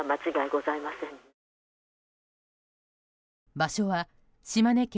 場所は島根県